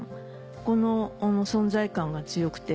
この存在感が強くて。